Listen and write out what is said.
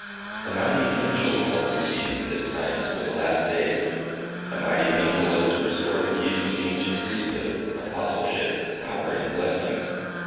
A mighty angel held the keys of this science for the last days. A mighty angel was to restore the keys of the ancient Priesthood, Apostleship, power and blessings.